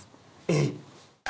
えっ！